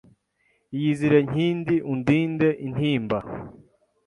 Iyizire nkindi undinde intimba ;